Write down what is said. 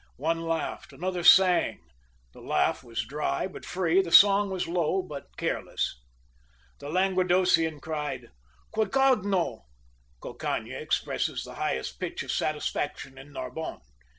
One laughed, another sang; the laugh was dry but free, the song was low but careless. The Languedocian cried, "Caoucagno!" "Cocagne" expresses the highest pitch of satisfaction in Narbonne.